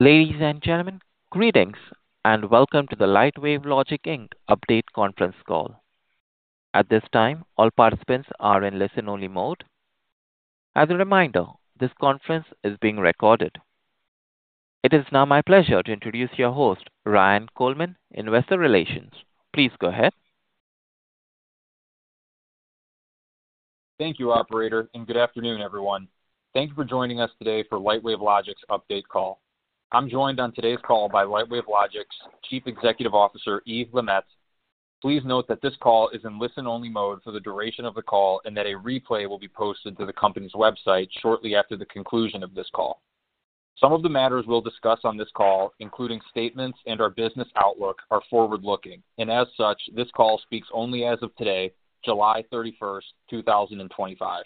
Ladies and gentlemen, greetings and welcome to the Lightwave Logic Inc update conference call. At this time, all participants are in listen-only mode. As a reminder, this conference is being recorded. It is now my pleasure to introduce your host, Ryan Coleman, Investor Relations. Please go ahead. Thank you, Operator, and good afternoon, everyone. Thank you for joining us today for the Lightwave Logic update call. I'm joined on today's call by Lightwave Logic Chief Executive Officer Yves LeMaitre. Please note that this call is in listen-only mode for the duration of the call and that a replay will be posted to the company's website shortly after the conclusion of this call. Some of the matters we'll discuss on this call, including statements and our business outlook, are forward-looking, and as such, this call speaks only as of today, July 31st, 2025.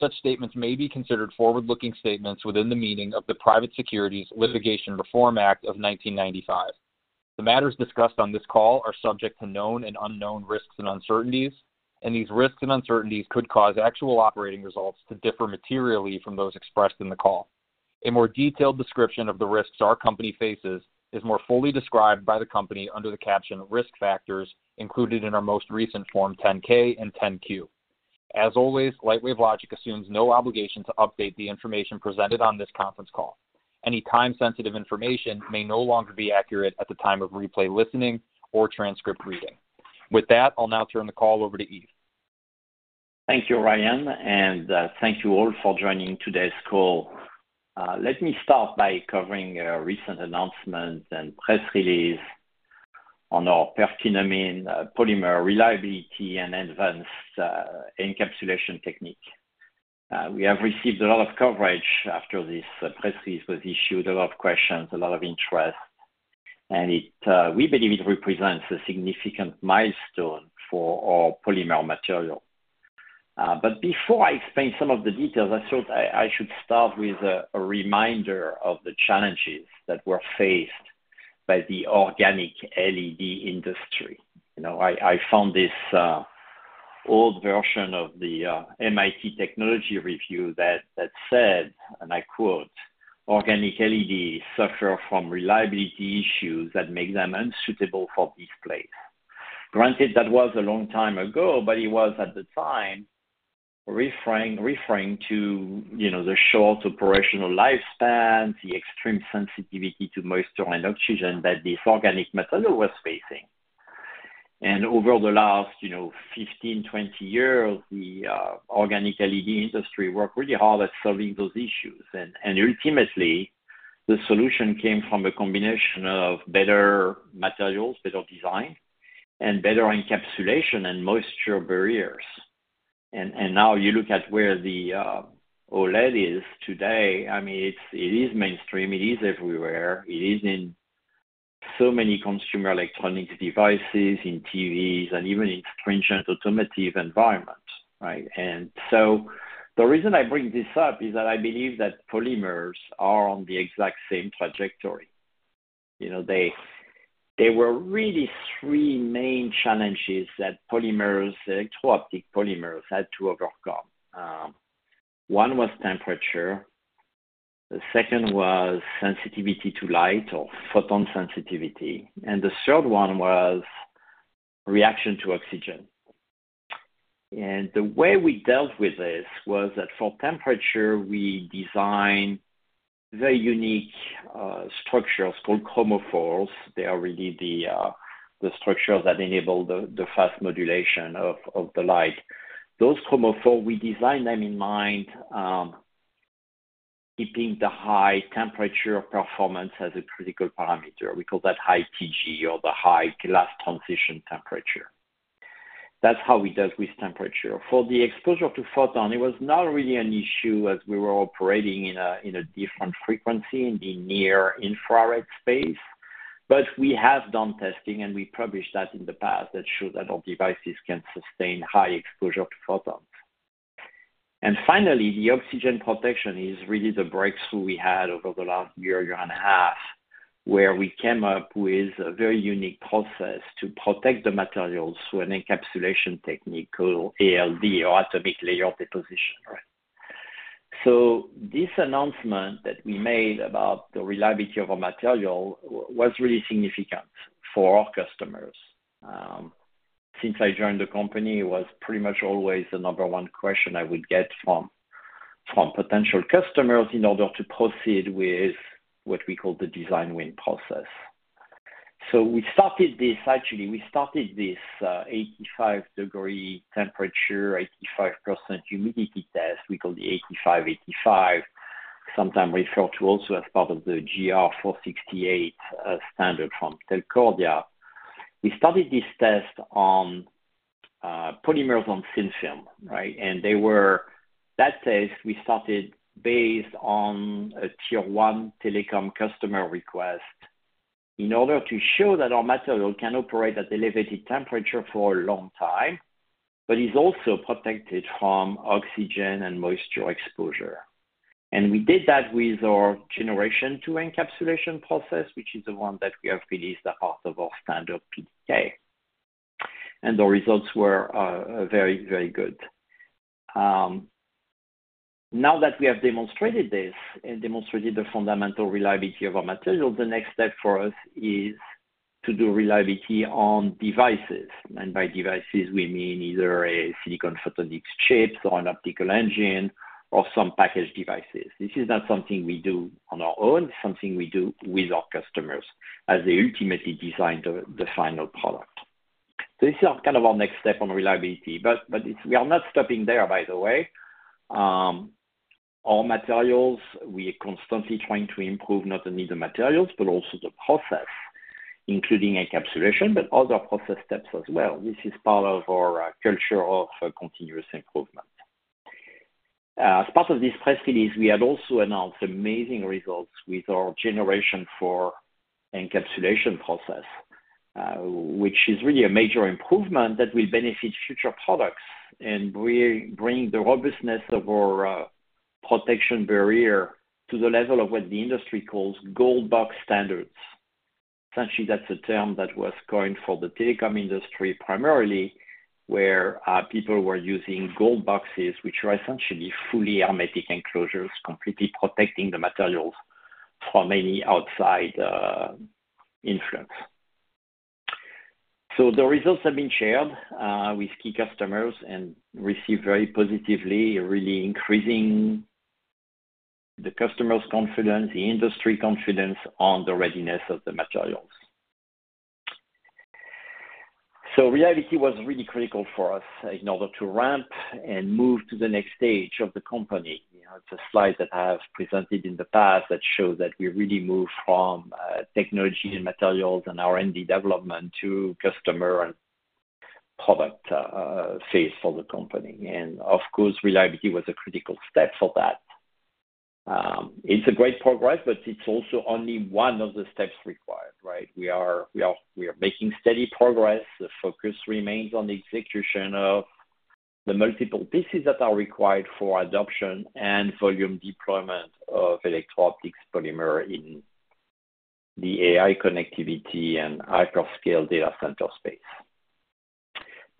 Such statements may be considered forward-looking statements within the meaning of the Private Securities Litigation Reform Act of 1995. The matters discussed on this call are subject to known and unknown risks and uncertainties, and these risks and uncertainties could cause actual operating results to differ materially from those expressed in the call. A more detailed description of the risks our company faces is more fully described by the company under the caption "Risk Factors" included in our most recent Form 10-K and 10-Q. As always, Lightwave Logic assumes no obligation to update the information presented on this conference call. Any time-sensitive information may no longer be accurate at the time of replay listening or transcript reading. With that, I'll now turn the call over to Yves. Thank you, Ryan, and thank you all for joining today's call. Let me start by covering a recent announcement and press release on our PertiMin polymer reliability and advanced encapsulation technique. We have received a lot of coverage after this press release was issued, a lot of questions, a lot of interest, and we believe it represents a significant milestone for our polymer material. Before I explain some of the details, I thought I should start with a reminder of the challenges that were faced by the organic LED industry. I found this old version of the MIT Technology Review that said, and I quote, "Organic LED suffer from reliability issues that make them unsuitable for displays." Granted, that was a long time ago, but it was at the time referring to the short operational lifespan, the extreme sensitivity to moisture and oxygen that these organic materials were facing. Over the last 15-20 years, the organic LED industry worked really hard at solving those issues. Ultimately, the solution came from a combination of better materials, better design, and better encapsulation and moisture barriers. Now you look at where the OLED is today. It is mainstream. It is everywhere. It is in so many consumer electronics devices, in TVs, and even in the French and automotive environment. The reason I bring this up is that I believe that polymers are on the exact same trajectory. There were really three main challenges that polymers, electro-optic polymers, had to overcome. One was temperature. The second was sensitivity to light or photon sensitivity. The third one was reaction to oxygen. The way we dealt with this was that for temperature, we designed very unique structures called chromophores. They are really the structures that enable the fast modulation of the light. Those chromophores, we designed them in mind, keeping the high temperature performance as a critical parameter. We call that high TG or the high glass transition temperature. That's how we dealt with temperature. For the exposure to photon, it was not really an issue as we were operating in a different frequency in the near-infrared space. We have done testing, and we published that in the past that showed that our devices can sustain high exposure to photons. Finally, the oxygen protection is really the breakthrough we had over the last year, year and a half, where we came up with a very unique process to protect the materials through an encapsulation technique called ALD or atomic layer deposition. This announcement that we made about the reliability of our material was really significant for our customers. Since I joined the company, it was pretty much always the number one question I would get from potential customers in order to proceed with what we call the design win process. We started this 85-degree temperature, 85% humidity test. We call it the 85-85, sometimes referred to also as part of the GR-468 standard. We started this test on polymers on thin film. That test, we started based on a tier one telecom customer request in order to show that our material can operate at elevated temperature for a long time, but is also protected from oxygen and moisture exposure. We did that with our generation two encapsulation process, which is the one that we have released as part of our standard PDK. The results were very, very good. Now that we have demonstrated this and demonstrated the fundamental reliability of our material, the next step for us is to do reliability on devices. By devices, we mean either a silicon photonics chip or an optical engine or some packaged devices. This is not something we do on our own. It is something we do with our customers as they ultimately design the final product. This is kind of our next step on reliability. We are not stopping there, by the way. Our materials, we are constantly trying to improve not only the materials, but also the process, including encapsulation, but other process steps as well. This is part of our culture of continuous improvement. As part of this press release, we have also announced amazing results with our generation four encapsulation process, which is really a major improvement that will benefit future products and bring the robustness of our protection barrier to the level of what the industry calls gold box standards. Essentially, that's a term that was coined for the telecom industry primarily, where people were using gold boxes, which are essentially fully hermetic enclosures, completely protecting the materials from any outside influence. The results have been shared with key customers and received very positively, really increasing the customer's confidence, the industry confidence on the readiness of the materials. Reliability was really critical for us in order to ramp and move to the next stage of the company. It's a slide that I have presented in the past that shows that we really move from technology and materials and R&D development to customer and product phase for the company. Of course, reliability was a critical step for that. It's a great progress, but it's also only one of the steps required. Right? We are making steady progress. The focus remains on the execution of the multiple pieces that are required for adoption and volume deployment of electro-optic polymers in the AI connectivity and hyperscale data center space.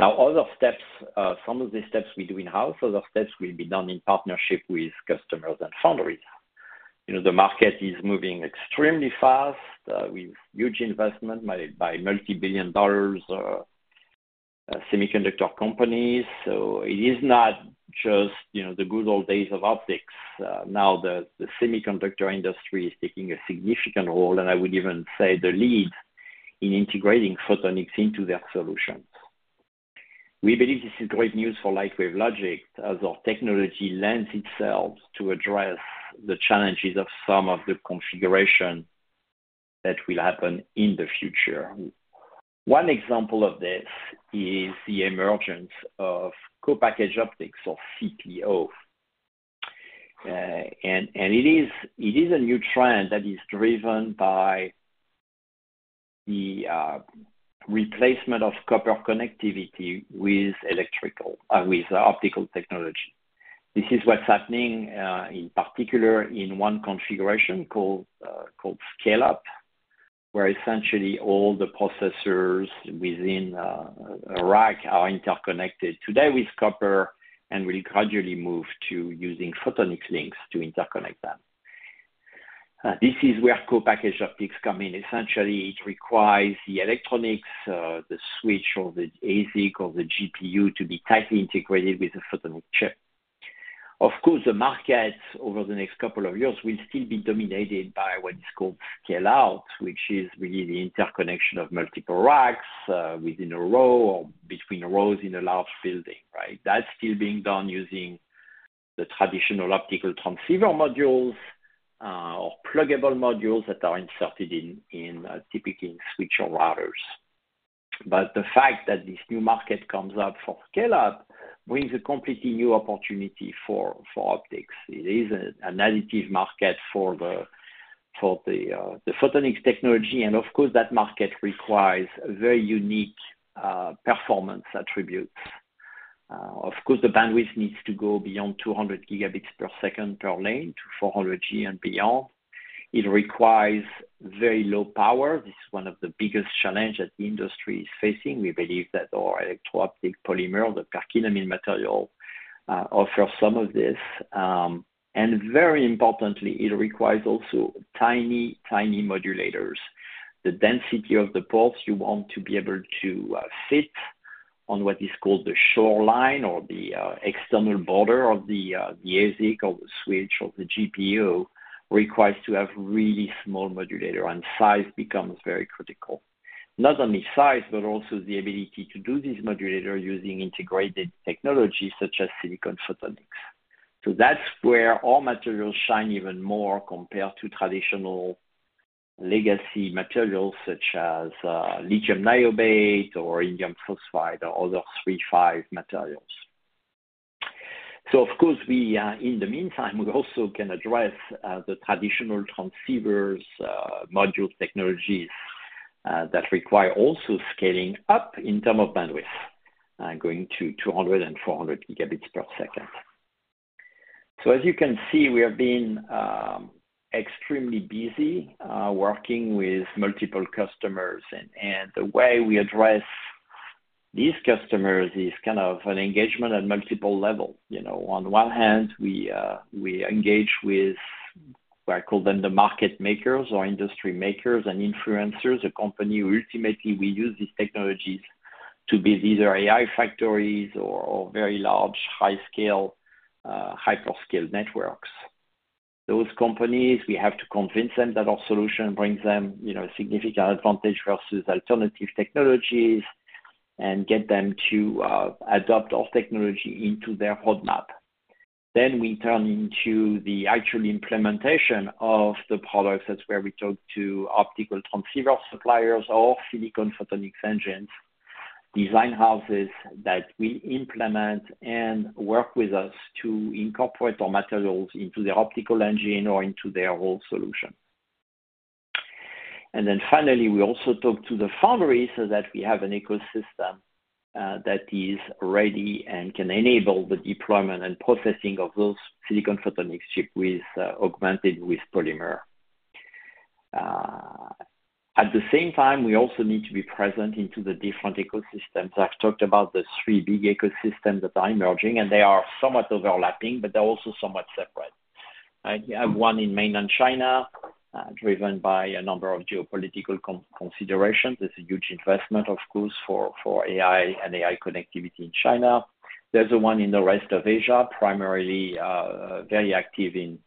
Other steps, some of the steps we do in-house, other steps will be done in partnership with customers and foundries. The market is moving extremely fast with huge investment by multi-billion dollar semiconductor companies. It is not just the good old days of optics. Now, the semiconductor industry is taking a significant role, and I would even say the lead in integrating photonics into their solutions. We believe this is great news for Lightwave Logic as our technology lends itself to address the challenges of some of the configuration that will happen in the future. One example of this is the emergence of co-packaged optics or CPO. It is a new trend that is driven by the replacement of copper connectivity with optical technology. This is what's happening in particular in one configuration called Scale-Up, where essentially all the processors within a rack are interconnected today with copper, and we'll gradually move to using photonics links to interconnect them. This is where co-packaged optics come in. Essentially, it requires the electronics, the switch or the ASIC or the GPU to be tightly integrated with the photonic chip. Of course, the market over the next couple of years will still be dominated by what is called Scale-Out, which is really the interconnection of multiple racks within a row or between rows in a large building. Right? That's still being done using the traditional optical transceiver modules or pluggable modules that are inserted in typically in switch or routers. The fact that this new market comes up for Scale-Up brings a completely new opportunity for optics. It is an additive market for the photonics technology. Of course, that market requires very unique performance attributes. The bandwidth needs to go beyond 200G per lane to 400G and beyond. It requires very low power. This is one of the biggest challenges that the industry is facing. We believe that our electro-optic polymer, the PertiMin material, offers some of this. Very importantly, it requires also tiny, tiny modulators. The density of the ports you want to be able to fit on what is called the shoreline or the external border of the ASIC or the switch or the GPU requires to have really small modulators, and size becomes very critical. Not only size, but also the ability to do this modulator using integrated technologies such as silicon photonics. That's where our materials shine even more compared to traditional legacy materials such as lithium niobate or indium phosphide or other 3-5 materials. In the meantime, we also can address the traditional transceivers, module technologies that require also scaling up in terms of bandwidth, going to 200G and 400G. As you can see, we have been extremely busy working with multiple customers. The way we address these customers is kind of an engagement at multiple levels. On the one hand, we engage with what I call the market makers or industry makers and influencers, a company who ultimately will use these technologies to build either AI factories or very large, high-scale, hyperscale networks. Those companies, we have to convince them that our solution brings them a significant advantage versus alternative technologies and get them to adopt our technology into their roadmap. We turn into the actual implementation of the products that we talk to optical transceiver suppliers or silicon photonics engines, design houses that will implement and work with us to incorporate our materials into their optical engine or into their whole solution. Finally, we also talk to the foundries so that we have an ecosystem that is ready and can enable the deployment and processing of those silicon photonics chips augmented with polymer. At the same time, we also need to be present in the different ecosystems. I've talked about the three big ecosystems that are emerging, and they are somewhat overlapping, but they're also somewhat separate. We have one in mainland China, driven by a number of geopolitical considerations. There's a huge investment, of course, for AI and AI connectivity in China. There's the one in the rest of Asia, primarily very active in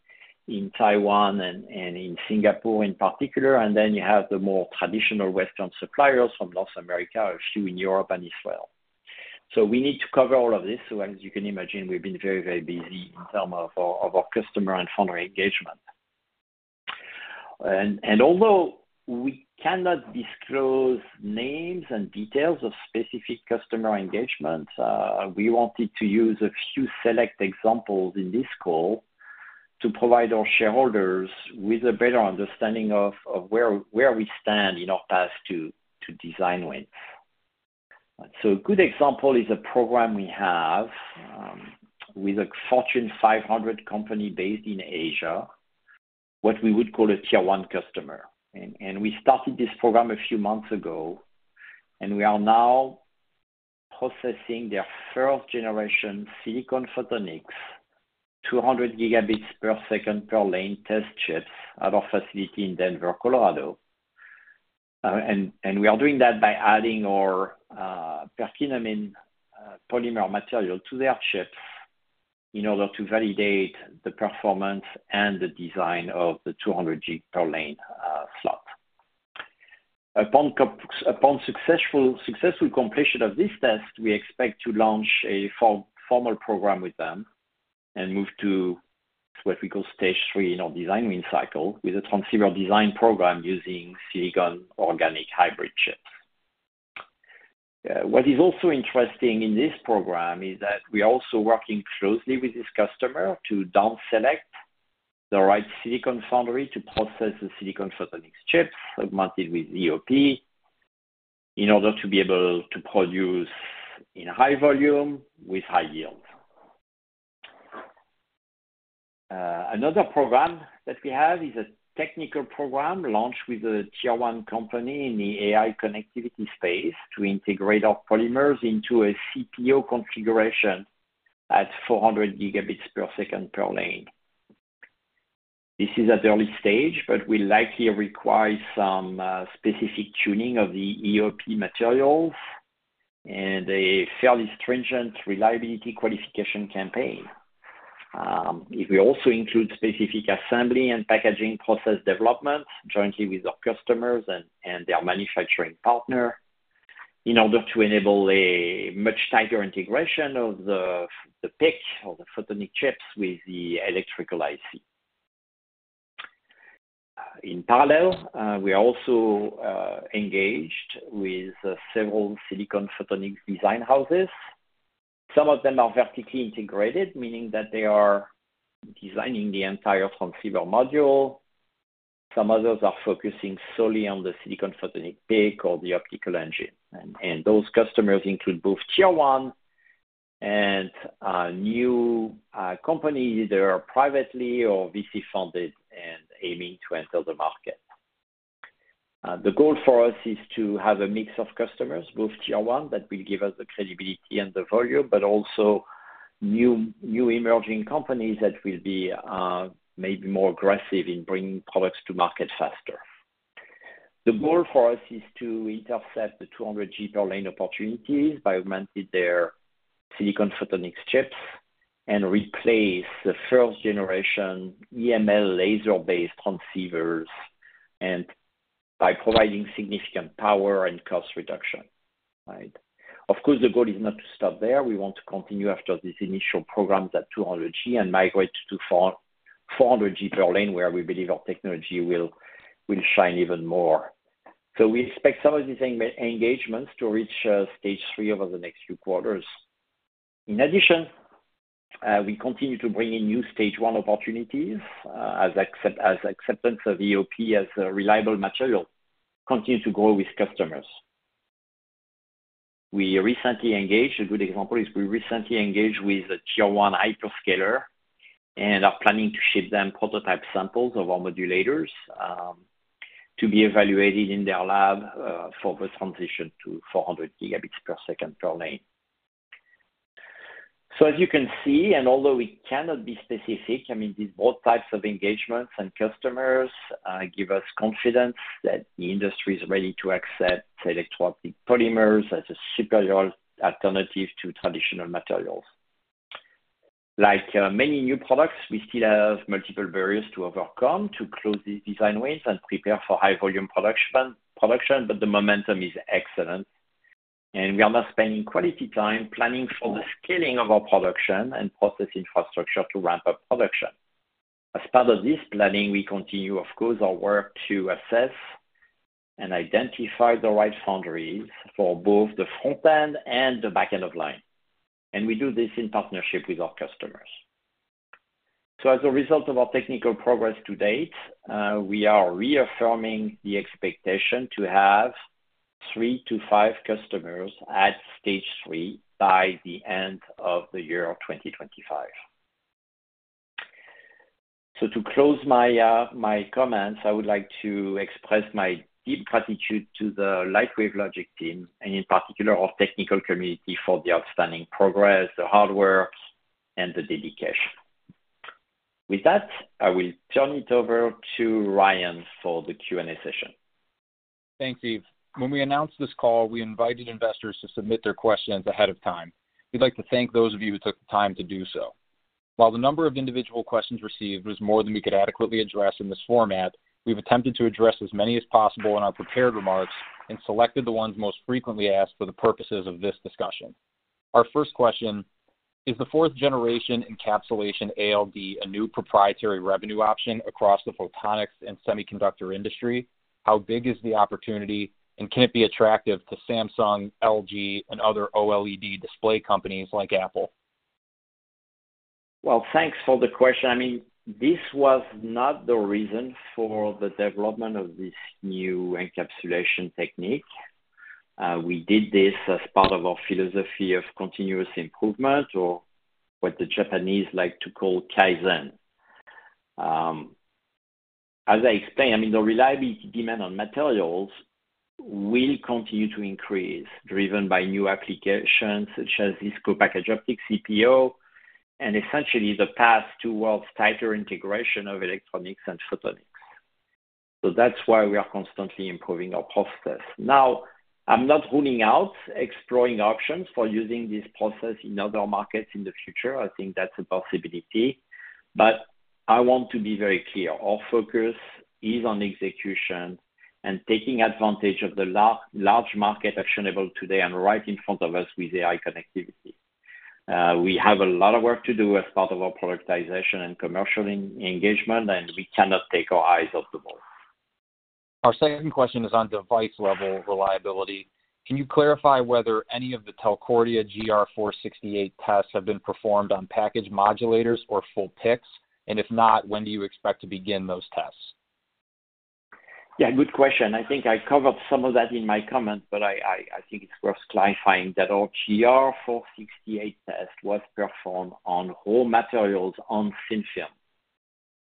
Taiwan and in Singapore in particular. You have the more traditional Western suppliers from North America, a few in Europe and Israel. We need to cover all of this. As you can imagine, we've been very, very busy in terms of our customer and foundry engagement. Although we cannot disclose names and details of specific customer engagements, we wanted to use a few select examples in this call to provide our shareholders with a better understanding of where we stand in our path to design win. A good example is a program we have with a Fortune 500 company based in Asia, what we would call a tier one customer. We started this program a few months ago, and we are now processing their first-generation silicon photonics, 200G per lane test chips at our facility in Denver, Colorado. We are doing that by adding our PertiMin polymer material to their chips in order to validate the performance and the design of the 200G per lane slot. Upon successful completion of this test, we expect to launch a formal program with them and move to what we call stage three in our design win cycle with a transceiver design program using silicon organic hybrid chips. What is also interesting in this program is that we are also working closely with this customer to down-select the right silicon foundry to process the silicon photonics chips, augmented with electro-optic polymer, in order to be able to produce in high volume with high yield. Another program that we have is a technical program launched with a tier one company in the AI connectivity space to integrate our polymers into a CPO configuration at 400G per lane. This is at the early stage, but will likely require some specific tuning of the electro-optic polymer materials and a fairly stringent reliability qualification campaign. We also include specific assembly and packaging process development jointly with our customers and their manufacturing partner in order to enable a much tighter integration of the PIC or the photonic chips with the electrical IC. In parallel, we are also engaged with several silicon photonics design houses. Some of them are vertically integrated, meaning that they are designing the entire transceiver module. Some others are focusing solely on the silicon photonic PIC or the optical engine. Those customers include both tier one and new companies, either privately or VC-funded and aiming to enter the market. The goal for us is to have a mix of customers, both tier one, that will give us the credibility and the volume, but also new emerging companies that will be maybe more aggressive in bringing products to market faster. The goal for us is to intercept the 200G per lane opportunities by augmenting their silicon photonics chips and replace the first-generation EML laser-based transceivers by providing significant power and cost reduction. Right? Of course, the goal is not to stop there. We want to continue after this initial program at 200G and migrate to 400G per lane, where we believe our technology will shine even more. We expect some of these engagements to reach stage three over the next few quarters. In addition, we continue to bring in new stage one opportunities as acceptance of EOP as a reliable material continues to grow with customers. We recently engaged, a good example is we recently engaged with a tier one hyperscaler and are planning to ship them prototype samples of our modulators to be evaluated in their lab for the transition to 400 Gb per second per lane. As you can see, although it cannot be specific, I mean, these both types of engagements and customers give us confidence that the industry is ready to accept electro-optic polymers as a superior alternative to traditional materials. Like many new products, we still have multiple barriers to overcome to close these design wins and prepare for high-volume production, but the momentum is excellent. We are now spending quality time planning for the scaling of our production and process infrastructure to ramp up production. As part of this planning, we continue, of course, our work to assess and identify the right foundries for both the front end and the back end of line. We do this in partnership with our customers. As a result of our technical progress to date, we are reaffirming the expectation to have three to five customers at stage three by the end of the year 2025. To close my comments, I would like to express my deep gratitude to the Lightwave Logic team and in particular our technical community for the outstanding progress, the hard work, and the dedication. With that, I will turn it over to Ryan for the Q&A session. Thanks, Yves. When we announced this call, we invited investors to submit their questions ahead of time. We'd like to thank those of you who took the time to do so. While the number of individual questions received was more than we could adequately address in this format, we've attempted to address as many as possible in our prepared remarks and selected the ones most frequently asked for the purposes of this discussion. Our first question: Is the fourth-generation encapsulation ALD a new proprietary revenue option across the photonics and semiconductor industry? How big is the opportunity and can it be attractive to Samsung, LG, and other OLED display companies like Apple? Thank you for the question. This was not the reason for the development of this new encapsulation technique. We did this as part of our philosophy of continuous improvement, or what the Japanese like to call Kaizen. As I explained, the reliability demand on materials will continue to increase, driven by new applications such as this co-packaged optics CPO and essentially the path towards tighter integration of electronics and photonics. That is why we are constantly improving our process. I'm not ruling out exploring options for using this process in other markets in the future. I think that's a possibility. I want to be very clear. Our focus is on execution and taking advantage of the large market actionable today and right in front of us with AI connectivity. We have a lot of work to do as part of our productization and commercial engagement, and we cannot take our eyes off the ball. Our second question is on device-level reliability. Can you clarify whether any of the Telcordia GR-468 tests have been performed on packaged modulators or full PICs? If not, when do you expect to begin those tests? Yeah, good question. I think I covered some of that in my comment, but I think it's worth clarifying that our GR-468 test was performed on raw materials on thin film,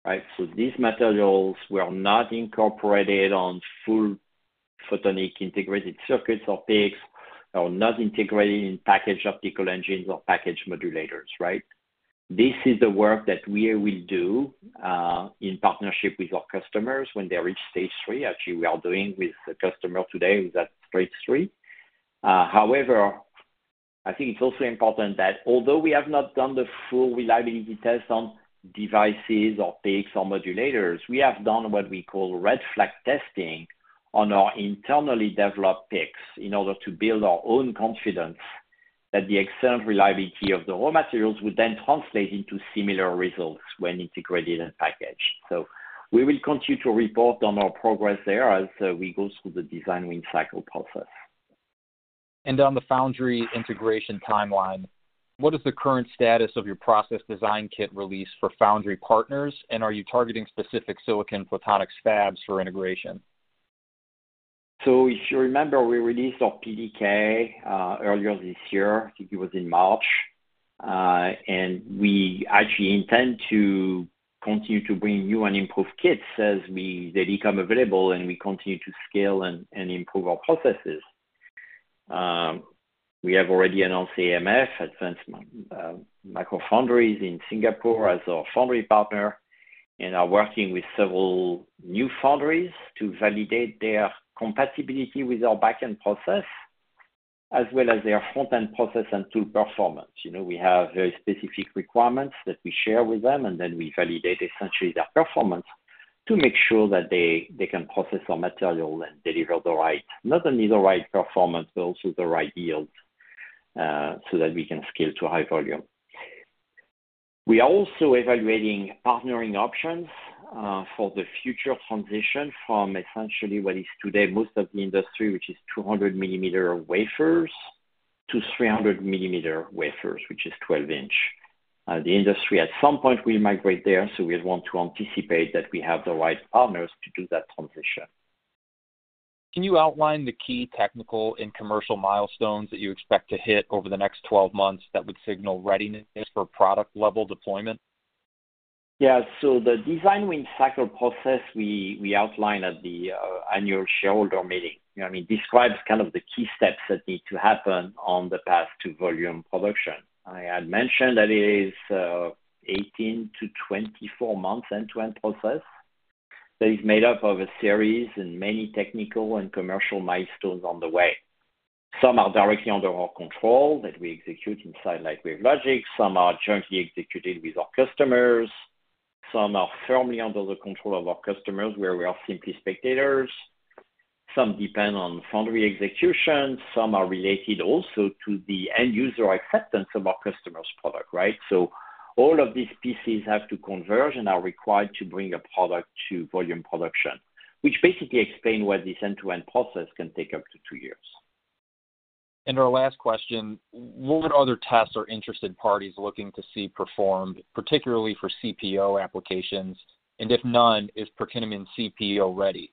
right? These materials were not incorporated on full photonic integrated circuits or PICs or not integrated in packaged optical engines or packaged modulators, right? This is the work that we will do in partnership with our customers when they reach stage three. Actually, we are doing with the customer today with that stage three. I think it's also important that although we have not done the full reliability tests on devices or PICs or modulators, we have done what we call red flag testing on our internally developed PICs in order to build our own confidence that the excellent reliability of the raw materials would then translate into similar results when integrated and packaged. We will continue to report on our progress there as we go through the design win cycle process. On the foundry integration timeline, what is the current status of your process design kit release for foundry partners, and are you targeting specific silicon photonics fabs for integration? If you remember, we released our PDK earlier this year. I think it was in March. We actually intend to continue to bring new and improved kits as they become available and we continue to scale and improve our processes. We have already announced Advanced Micro Foundries in Singapore as our foundry partner and are working with several new foundries to validate their compatibility with our backend process as well as their frontend process and tool performance. We have very specific requirements that we share with them, and then we validate essentially their performance to make sure that they can process our materials and deliver not only the right performance, but also the right yield so that we can scale to high volume. We are also evaluating partnering options for the future transition from essentially what is today most of the industry, which is 200 millimeter wafers, to 300 millimeter wafers, which is 12-inch. The industry at some point will migrate there, so we want to anticipate that we have the right partners to do that transition. Can you outline the key technical and commercial milestones that you expect to hit over the next 12 months that would signal readiness for product-level deployment? Yeah. The design win cycle process we outlined at the annual shareholder meeting describes kind of the key steps that need to happen on the path to volume production. I had mentioned that it is 18 to 24 months end-to-end process that is made up of a series and many technical and commercial milestones on the way. Some are directly under our control that we execute inside Lightwave Logic. Some are jointly executed with our customers. Some are firmly under the control of our customers where we are simply spectators. Some depend on foundry execution. Some are related also to the end user acceptance of our customer's product. Right? All of these pieces have to converge and are required to bring a product to volume production, which basically explains why this end-to-end process can take up to two years. Our last question: What other tests are interested parties looking to see performed, particularly for CPO applications? If none, is PertiMin CPO ready?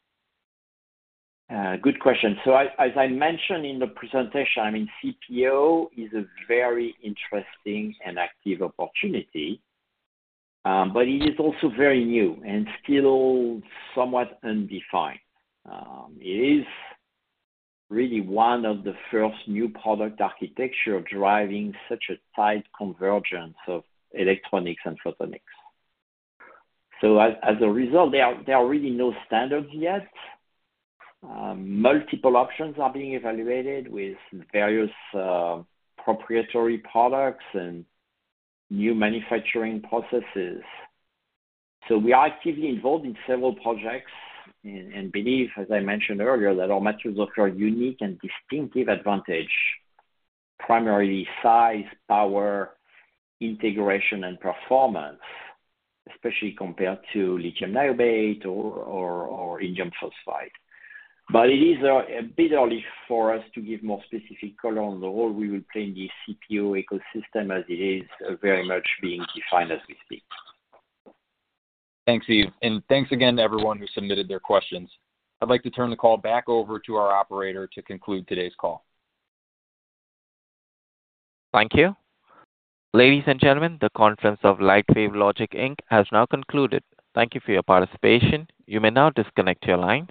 Good question. As I mentioned in the presentation, CPO is a very interesting and active opportunity, but it is also very new and still somewhat undefined. It is really one of the first new product architectures driving such a tight convergence of electronics and photonics. As a result, there are really no standards yet. Multiple options are being evaluated with various proprietary products and new manufacturing processes. We are actively involved in several projects and believe, as I mentioned earlier, that our materials offer a unique and distinctive advantage, primarily size, power, integration, and performance, especially compared to lithium niobate or indium phosphide. It is a bit early for us to give more specific color on the role we will play in the CPO ecosystem as it is very much being defined as we speak. Thanks, Yves. Thanks again to everyone who submitted their questions. I'd like to turn the call back over to our operator to conclude today's call. Thank you. Ladies and gentlemen, the conference of Lightwave Logic Inc has now concluded. Thank you for your participation. You may now disconnect your lines.